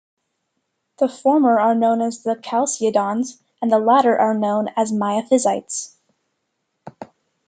The former are known as Chalcedonians and the latter are known as Miaphysites.